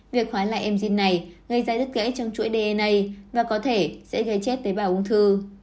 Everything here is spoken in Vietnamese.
việc khoái lại êm này gây ra đứt gãy trong chuỗi dna và có thể sẽ gây chết tế bào ung thư